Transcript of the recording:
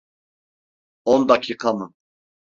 On dakika mı?